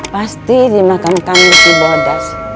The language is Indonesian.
pasti dimakamkan di bodas